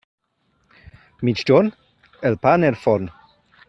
Migjorn? El pa en el forn.